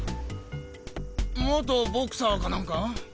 元ボクサーか何か？